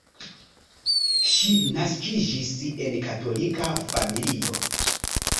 Ŝi naskiĝis en katolika familio.